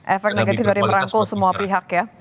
efek negatif dari merangkul semua pihak ya